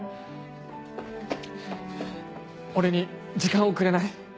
俺に時間をくれない？